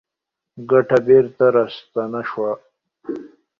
ګټه بېرته راستانه شوه.